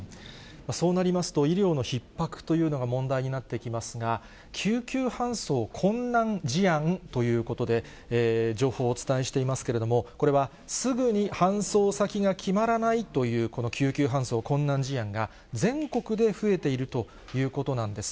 そうなりますと、医療のひっ迫というのが問題になってきますが、救急搬送困難事案ということで、情報をお伝えしていますけれども、これはすぐに搬送先が決まらないという、この救急搬送困難事案が、全国で増えているということなんです。